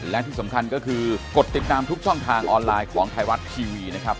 และที่สำคัญก็คือกดติดตามทุกช่องทางออนไลน์ของไทยรัฐทีวีนะครับ